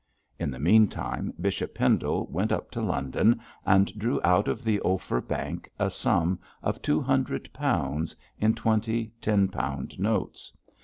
In the meantime, Bishop Pendle went up to London and drew out of the Ophir Bank a sum of two hundred pounds, in twenty ten pound notes.